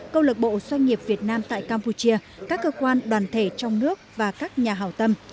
câu lạc bộ doanh nghiệp việt nam tại campuchia các cơ quan đoàn thể trong nước và các nhà hào tâm